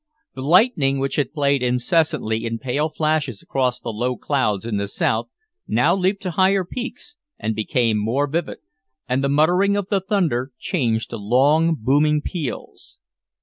The lightning, which had played incessantly in pale flashes across the low clouds in the south, now leaped to higher peaks and became more vivid, and the muttering of the thunder changed to long, booming peals.